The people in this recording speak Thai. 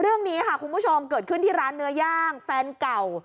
เรื่องนี้ค่ะคุณผู้ชมเกิดขึ้นที่ร้านเนื้อย่างแฟนเก่า